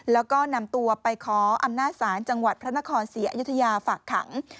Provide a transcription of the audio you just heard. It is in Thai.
แล้วก็นำตัวไปขออำนาจศพระนครเสียอยุธยาฝากขัง